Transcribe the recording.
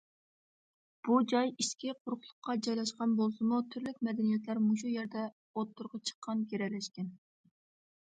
بۇ جاي ئىچكى قۇرۇقلۇققا جايلاشقان بولسىمۇ، تۈرلۈك مەدەنىيەتلەر مۇشۇ يەردە ئوتتۇرىغا چىققان، گىرەلەشكەن.